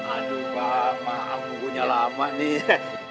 aduh pak maaf bumbunya lama nih